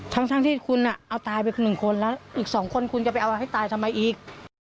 ทั้งที่คุณเอาตายไป๑คนแล้วอีก๒คนคุณจะไปเอาให้ตายทำไมอีก